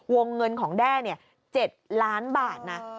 วงเงินของแด้๗ล้านบาทนะ